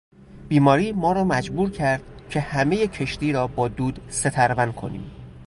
بیماری ما را مجبور کرد که همهی کشتی را با دود سترون کنیم.